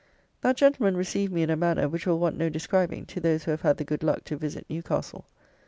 That gentleman received me in a manner which will want no describing to those who have had the good luck to visit Newcastle.